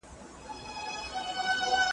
دی یې تش له لوی اوازه وېرېدلی ,